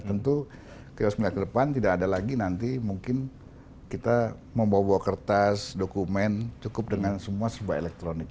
tentu kelihatan ke depan tidak ada lagi nanti mungkin kita membawa bawa kertas dokumen cukup dengan semua serba elektronik